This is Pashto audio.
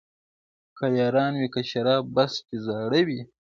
که یاران وي که شراب بس چي زاړه وي,